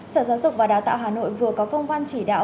sở giáo dục và đào tạo hà nội vừa có công văn chỉ đạo